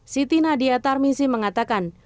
siti nadia tarmisi mengatakan